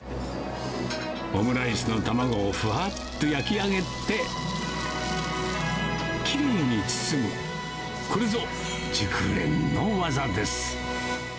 オムライスの卵をふわっと焼き上げて、きれいに包む、これぞ熟練の技です。